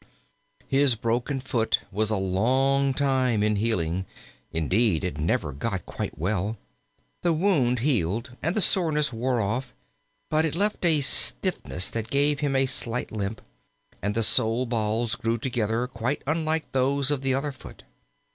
His broken foot was a long time in healing; indeed, it never got quite well. The wound healed and the soreness wore off, but it left a stiffness that gave him a slight limp, and the sole balls grew together quite unlike those of the other foot.